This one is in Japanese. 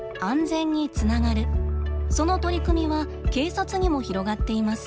その取り組みは警察にも広がっています。